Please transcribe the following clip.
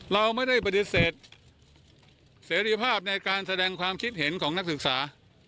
เราไม่ได้ปฏิเสธเสรีภาพในการแสดงความคิดเห็นของนักศึกษา